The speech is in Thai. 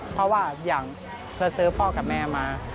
เพราะว่าอย่างเธอซื้อพ่อกับแม่มา